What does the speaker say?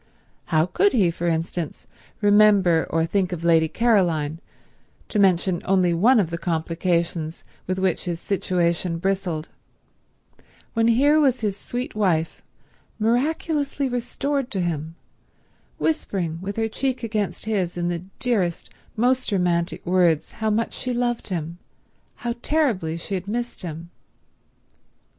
How could he, for instance, remember or think of Lady Caroline, to mention only one of the complications with which his situation bristled, when here was his sweet wife, miraculously restored to him, whispering with her cheek against his in the dearest, most romantic words how much she loved him, how terribly she had missed him?